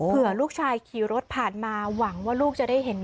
เผื่อลูกชายขี่รถผ่านมาหวังว่าลูกจะได้เห็น